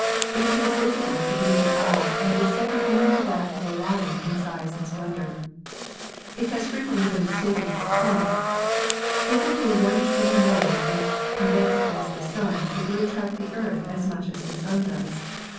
It is:visible to the naked eye and is second only to that of Orion in size and splendor. It has fre quently been mistaken for a comet. If it were one twenty millionth as condensed as the Sun it would attract the Earth as much as the Sun does.